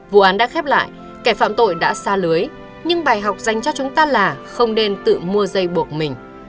vụ án đã khép lại kẻ phạm tội đã xa lưới nhưng bài học dành cho chúng ta là không nên tự mua dây buộc mình